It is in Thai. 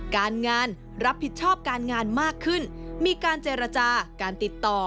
การงานรับผิดชอบการงานมากขึ้นมีการเจรจาการติดต่อ